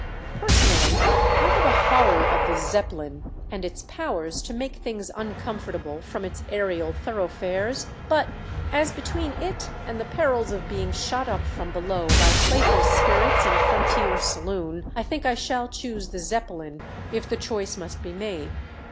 Personally I have a horror of the Zeppelin and its powers to make things uncomfortable from its aërial thoroughfares; but as between it and the perils of being shot up from below by playful spirits in a frontier saloon I think I shall choose the Zeppelin if the choice must be made.